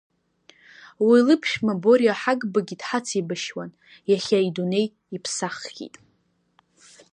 Уи лыԥшәма Бориа Ҳагбагьы дҳацеибашьуан, иахьа идунеи иԥсаххьеит.